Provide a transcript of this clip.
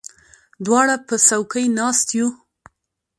دواړه په څوکۍ کې ناست یو.